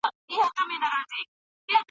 زه منکر نه یمه احسان یې د راتللو منم